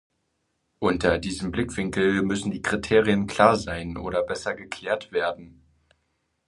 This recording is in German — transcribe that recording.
Unter diesem Blickwinkel müssen die Kriterien klar sein oder besser geklärt werden.